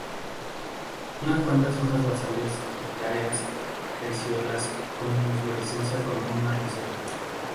Unas cuantas hojas basales herbáceas, pecioladas, con las inflorescencias formando una roseta.